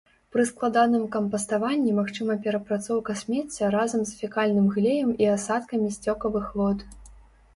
Пры складаным кампаставанні магчыма перапрацоўка смецця разам з фекальным глеем і асадкамі сцёкавых вод.